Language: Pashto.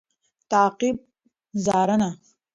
تعقیب √څارنه